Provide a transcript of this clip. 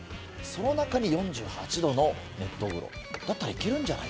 その中に４８℃の熱湯風呂だったらいけるんじゃないか？